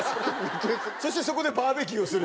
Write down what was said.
そしてそこでバーベキューをする。